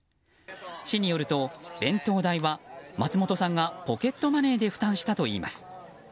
市によると、弁当代は松本さんがポケットマネーで負担したといいます。